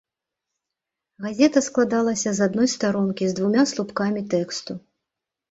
Газета складалася з адной старонкі з двума слупкамі тэксту.